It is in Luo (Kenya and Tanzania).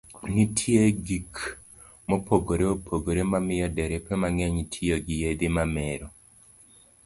Nitie gik mopogore opogore mamiyo derepe mang'eny tiyo gi yedhe mamero.